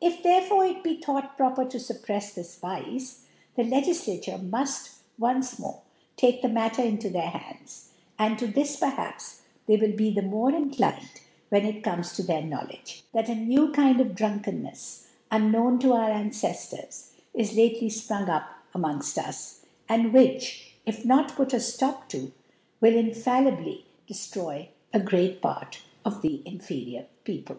It there fore it bethought proper to '(lipprefs this Vice, the Lrgidature muft onCe more ta'<c the Matter into thdr Hartdl; ; and ro thi , perhaps, they will be the more inclined^ when it comes to their Knowledge, that a new Kind of Drunkennels^ unknown to our Anceftors, is lately fprung up amongft us, and C 2 which. ( 2S ) ^idi, if not put a Scop to, will infallibly dcftroy a great Part of the inferiour People.